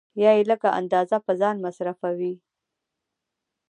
یا یې لږ اندازه په ځان مصرفوي